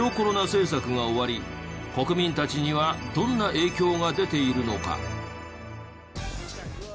政策が終わり国民たちにはどんな影響が出ているのか？